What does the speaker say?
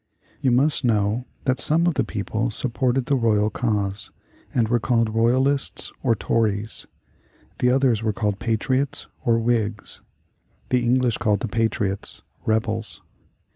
You must know that some of the people supported the royal cause and were called Royalists or Tories. The others were called Patriots or Whigs. The English called the patriots rebels.